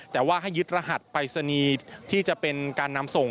แต่ว่าให้ยึดรหัสปรายศนีย์ที่จะเป็นการนำส่ง